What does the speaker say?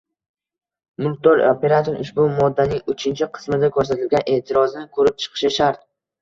Mulkdor, operator ushbu moddaning uchinchi qismida ko‘rsatilgan e’tirozni ko‘rib chiqishi shart